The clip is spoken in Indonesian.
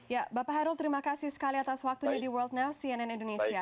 ya bapak hairul terima kasih sekali atas waktunya di world now cnn indonesia